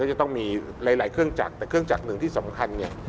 จะต้องมีหลายเครื่องจักรแต่เครื่องจักรหนึ่งที่สำคัญเนี่ย